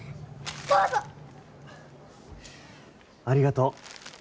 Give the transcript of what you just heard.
ありがとう。